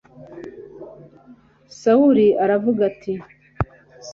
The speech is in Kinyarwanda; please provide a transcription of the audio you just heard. sawuli aravuga ati